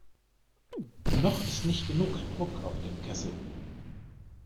Noch ist nicht genug Druck auf dem Kessel.